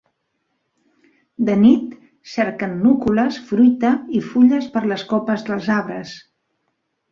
De nit, cerquen núcules, fruita i fulles per les copes dels arbres.